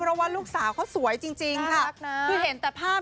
เพราะว่าลูกสาวเขาสวยจริงค่ะ